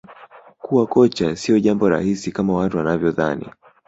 kuwa kocha sio jambo rahisi kama watu wanavyodhani